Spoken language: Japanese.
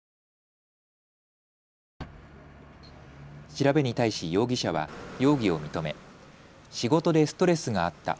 調べに対し容疑者は容疑を認め仕事でストレスがあった。